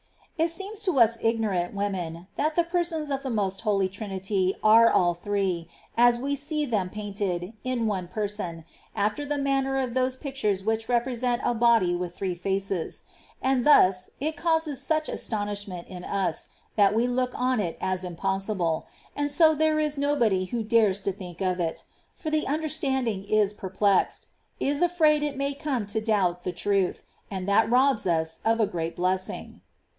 7. It seems to us ignorant women that the Persons tiie Trinity, of the most Holy Trinity are all Three, as we see Them painted, in one Person, after the manner of those pictures which represent a body with three faces ; and thus it causes such astonishment in us that we look on it as impossible, and so there is nobody who dares to think of it ; for the under standing is perplexed, is afraid it may come to doubt the truth, and that robs us of a great blessing.